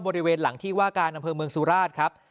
บริเวณหลังที่วากะดำเพิร์นเมืองสุราสตร์ครับ